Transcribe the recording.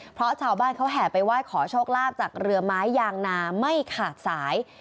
เพราะชาวบ้านเขาแห่ไปไหว้ขอโชคลาภจากเรือไม้ยางนาไม่ขาดสาย